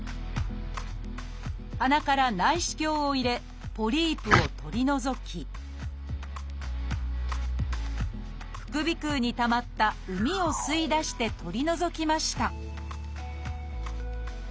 鼻から内視鏡を入れポリープを取り除き副鼻腔にたまった膿を吸い出して取り除きました